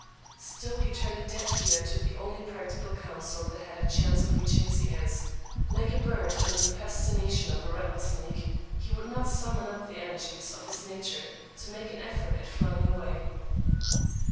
Still he turned a deaf ear to the only practical counsel that had a chance for reaching his ears. Like a bird under the fascination of a rattlesnake, he would not summon up the energies of his nature to make an effort at flying away.